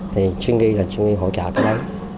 thì stringy là stringy hỗ trợ cái đó